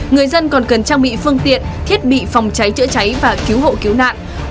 người dân còn cần trang bị phương tiện thiết bị phòng cháy chữa cháy và cứu hộ cứu nạn